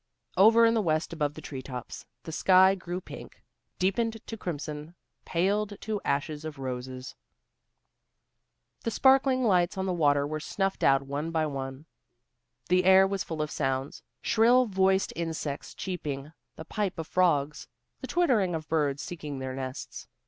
Over in the west above the treetops, the sky grew pink, deepened to crimson, paled to ashes of roses. The sparkling lights on the water were snuffed out one by one. The air was full of sounds, shrill voiced insects cheeping, the pipe of frogs, the twittering of birds seeking their nests.